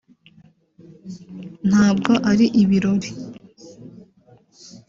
ntabwo ari ibirori